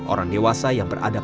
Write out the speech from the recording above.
orang dewasa yang berada